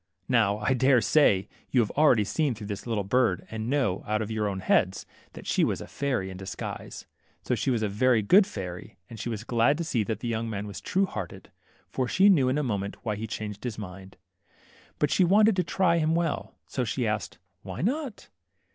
Now, I dare say, you have already seen through the little blue bird, and know, out of your own heads, that she was a fairy in disguise. She was a very good fairy, and she was glad to see that the young man was true hearted, for she knew in a moment why ' he changed his mind. But she wanted to try him well ; so she asked. Why not?"